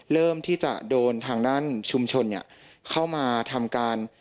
เริ่มที่จะโดนทางด้านชุมชนเข้ามาทำการ